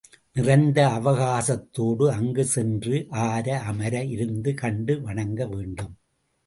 நிறைந்த அவகாசத் தோடு அங்கு சென்று, ஆர அமர இருந்து கண்டு வணங்க வேண்டும்.